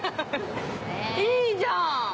いいじゃん。